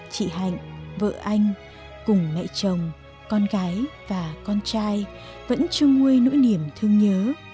chị hạnh vợ anh cùng mẹ chồng con gái và con trai vẫn trông nguôi nỗi niềm thương nhớ